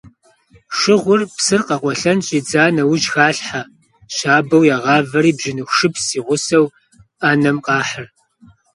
Шыгъур псыр къэкъуэлъэн щӏидза нэужь халъхьэ, щабэу ягъавэри бжьыныху шыпс и гъусэу ӏэнэм къахьыр.